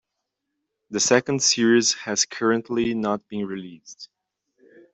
The second series has currently not been released.